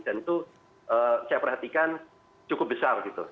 dan itu saya perhatikan cukup besar gitu